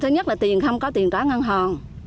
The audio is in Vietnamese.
thứ nhất là tiền không có tiền quá ngăn hòn